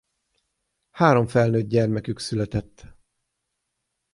Három felnőtt gyermekük született.